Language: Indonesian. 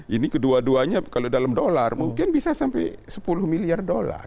ini kedua duanya kalau dalam dolar mungkin bisa sampai sepuluh miliar dolar